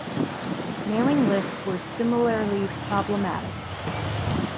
Mailing lists were similarly problematic.